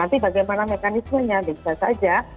nanti bagaimana mekanismenya bisa saja